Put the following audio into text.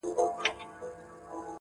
خو له سپي سره خاوند لوبي کولې.!